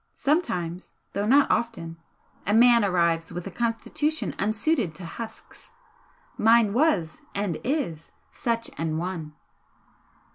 Sometimes though not often a man arrives with a constitution unsuited to husks. Mine was and is such an one."